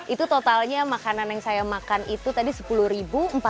itu totalnya makanan yang saya makan itu tadi sepuluh